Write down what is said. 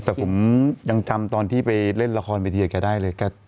แต่ผมยังจำตอนที่ไปเล่นละครเวทีกับแกได้เลย